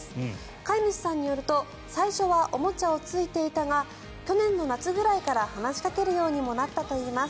飼い主さんによると最初はおもちゃを突いていたが去年の夏ぐらいから話しかけるようにもなったといいます。